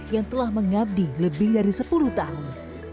yang telah mengabdi lebih dari sepuluh tahun